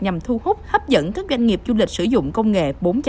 nhằm thu hút hấp dẫn các doanh nghiệp du lịch sử dụng công nghệ bốn